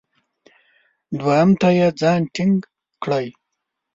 دوهم ته یې ځان ټینګ کړی.